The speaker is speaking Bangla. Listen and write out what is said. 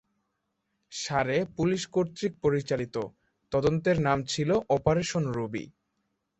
সারে পুলিশ কর্তৃক পরিচালিত, তদন্তের নাম ছিল অপারেশন রুবি।